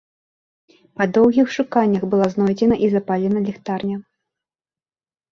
Па доўгіх шуканнях была знойдзена і запалена ліхтарня.